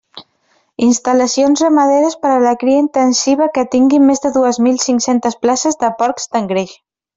Instal·lacions ramaderes per a la cria intensiva que tinguin més de dues mil cinc-centes places de porcs d'engreix.